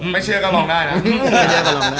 ไม่เชื่อก็มองได้นะ